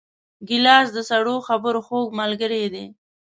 ګیلاس د سړو خبرو خوږ ملګری دی.